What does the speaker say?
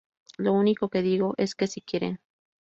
Lo único que digo es que si quieren